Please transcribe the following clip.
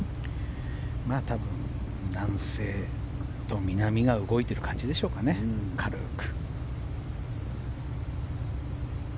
南西と南が動いている感じでしょうか、軽く。